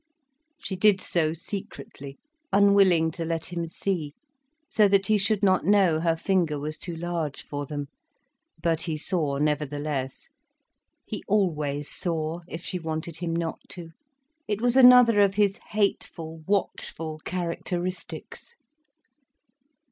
She did so secretly, unwilling to let him see, so that he should not know her finger was too large for them. But he saw nevertheless. He always saw, if she wanted him not to. It was another of his hateful, watchful characteristics.